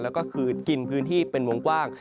แล้วก็คือกินพื้นที่เป็นวงกว้าง